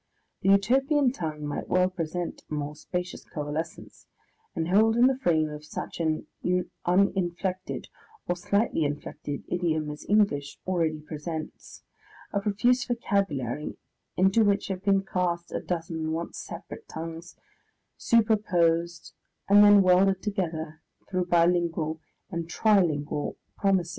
The Utopian tongue might well present a more spacious coalescence, and hold in the frame of such an uninflected or slightly inflected idiom as English already presents, a profuse vocabulary into which have been cast a dozen once separate tongues, superposed and then welded together through bilingual and trilingual compromises.